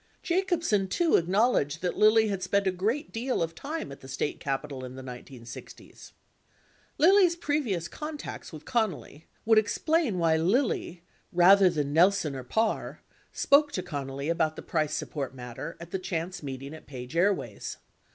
60 Jacobsen, too, acknowledged that Lilly had spent a great deal of time at the State capital in the 1960's. 61 Lilly's previous contacts with Connally would explain why Lilly, rather than Nelson or Parr, spoke to Connally about the price support matter at the chance meeting at Page Airways.